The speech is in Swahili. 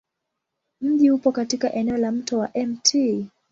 Mji upo katika eneo la Mto wa Mt.